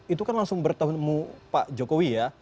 itu kan langsung bertemu pak jokowi ya